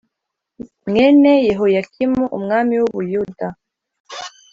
mwene Yehoyakimu umwami w u Buyuda